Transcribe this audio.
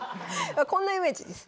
こんなイメージです。